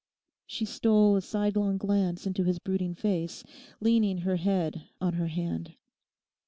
She stole a sidelong glance into his brooding face, leaning her head on her hand.